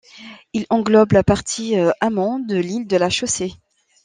Il englobe la partie amont de l'île de la Chaussée.